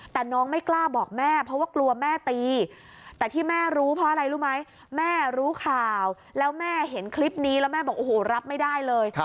แต่น้องไม่กล้าบอกแม่เพราะว่ากลัวแม่ตีแต่ที่แม่รู้เพราะอะไรรู้ไหมแม่รู้ข่าวแล้วแม่เห็นคลิปนี้แล้วแม่บอกโอ้โหรับไม่ได้เลย